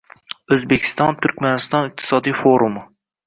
O‘zbekiston – Turkmaniston iqtisodiy forumi